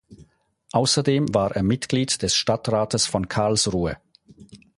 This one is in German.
Außerdem war er Mitglied des Stadtrates von Karlsruhe.